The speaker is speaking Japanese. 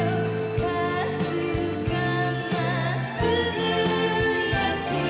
「かすかなつぶやき」